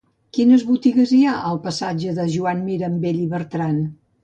Quines botigues hi ha al passatge de Joan Mirambell i Bertran?